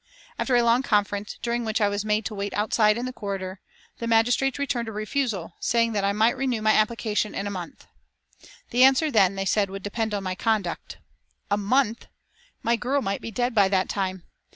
After a long conference, during which I was made to wait outside in the corridor, the magistrates returned a refusal, saying that I might renew my application in a month. The answer then, they said, would depend on my conduct. A month! My girl might be dead by that time.